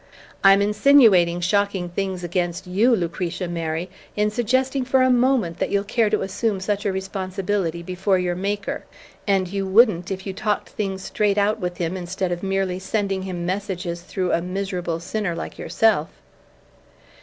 I'm insinuating shocking things against YOU, Lucretia Mary, in suggesting for a moment that you'll care to assume such a responsibility before your Maker. And you wouldn't, if you talked things straight out with him, instead of merely sending him messages through a miserable sinner like yourself!"